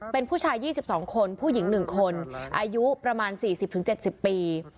เป็นผู้ชายยี่สิบสองคนผู้หญิงหนึ่งคนอายุประมาณสี่สิบถึงเจ็ดสิบปี